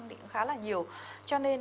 thì cũng khá là nhiều cho nên